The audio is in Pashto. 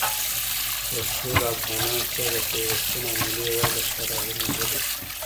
پښتو له افغانانو سره د پیوستون او ملي یووالي لپاره اړینه ژبه ده.